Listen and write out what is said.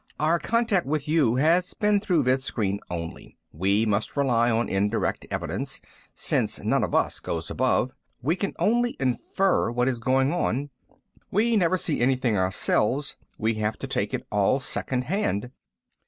Our contact with you has been through vidscreen only. We must rely on indirect evidence, since none of us goes above. We can only infer what is going on. We never see anything ourselves. We have to take it all secondhand.